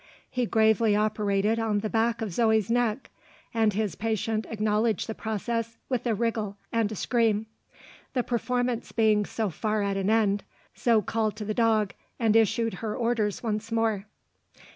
He gravely operated on the back of Zo's neck; and his patient acknowledged the process with a wriggle and a scream. The performance being so far at an end, Zo called to the dog, and issued her orders once more.